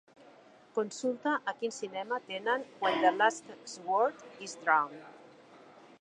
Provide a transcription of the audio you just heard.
Consulta a quin cinema tenen When the Last Sword is Drawn.